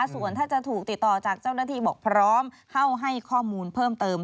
ส่วนถ้าจะถูกติดต่อจากเจ้าหน้าที่บอกพร้อมเข้าให้ข้อมูลเพิ่มเติม